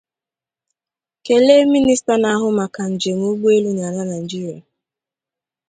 kelee Minista na-ahụ maka njem ụgbọelu n'ala Nigeria